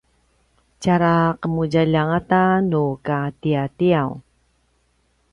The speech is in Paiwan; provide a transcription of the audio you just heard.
tjara qemudjalj a ngata nu katiatiaw